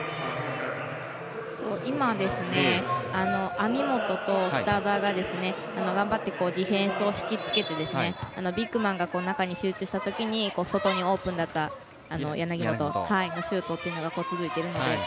網本と北田が頑張ってディフェンスを引き付けてビッグマンが中に集中したときに外にオープンだった柳本にシュートを打たす動きで。